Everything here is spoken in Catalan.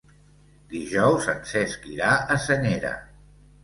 Dijous en Cesc irà a Senyera.